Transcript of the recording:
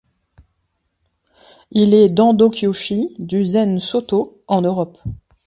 Il est Dendokyoshi du Zen Soto en Europe.